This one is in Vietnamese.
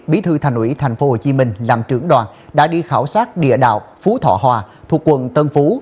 bí thư thành ủy tp hcm làm trưởng đoàn đã đi khảo sát địa đạo phú thọ hòa thuộc quận tân phú